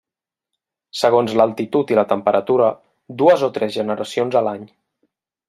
Segons l'altitud i la temperatura, dues o tres generacions a l'any.